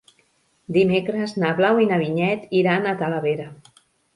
Dimecres na Blau i na Vinyet iran a Talavera.